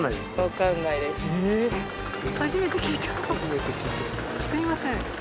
すいません。